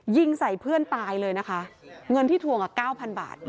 ยิงใส่เพื่อนตายเลยนะคะเงินที่ทวงอ่ะ๙๐๐บาท